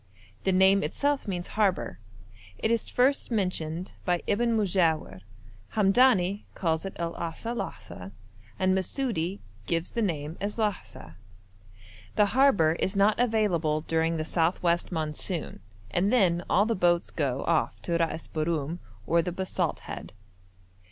The name itself means 'harbour.' It is first mentioned by Ibn Modjawir; Hamdani calls it El Asa Lasa, and Masudi gives the name as Lahsa. The harbour is not available during the south west monsoon, and then all the boats go off to Ras Borum or the Basalt Head.